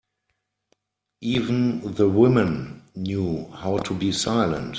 Even the women knew how to be silent.